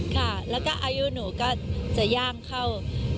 ค่ะแล้วก็อายุหนูก็จะย่างเข้า